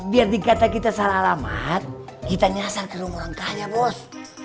biar dikata kita salah alamat kita yang nyesal rumah murangkahnya bos